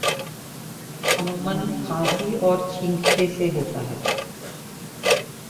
عموماً کھانسی اور چھینکنے سے ہوتا ہے